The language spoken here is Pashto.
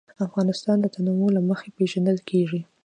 افغانستان د تنوع له مخې پېژندل کېږي.